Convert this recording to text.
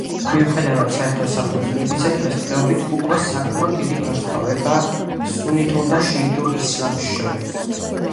მიუხედავად საერთო საფუძვლებისა, დღესდღეობით უკვე საკმაოდ დიდი განსხვავებაა სუნიტურ და შიიტურ ისლამს შორის.